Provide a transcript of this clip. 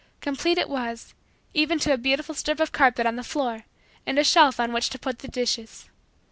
Complete it was, even to a beautiful strip of carpet on the floor and a shelf on which to put the dishes.